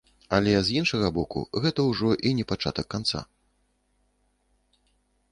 Але, з іншага боку, гэта ўжо і не пачатак канца.